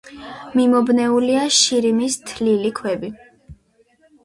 მიმობნეულია შირიმის თლილი ქვები.